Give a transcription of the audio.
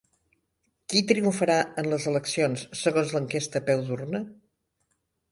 Qui triomfarà en les eleccions segons l'enquesta a peu d'urna?